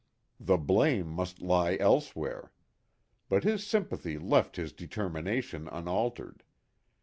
The blame must lie elsewhere. But his sympathy left his determination unaltered.